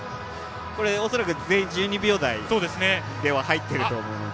恐らく、全員１２秒台では入っていると思うので。